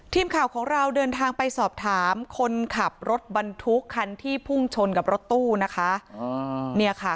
ทีมข่าวของเราเดินทางไปสอบถามคนขับรถบรรทุกคันที่พุ่งชนกับรถตู้นะคะ